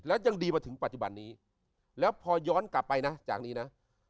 แล้วยังดีมาถึงปัจจุบันนี้แล้วพอย้อนกลับไปนะจากนี้นะ